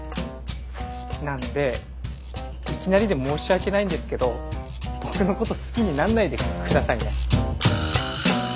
なんでいきなりで申し訳ないんですけど僕のこと好きになんないで下さいね。